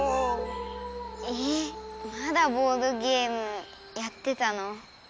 ええまだボードゲームやってたの？